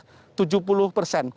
bahkan untuk ruang isolasi